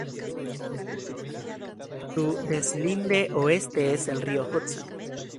Su deslinde oeste es el río Hudson.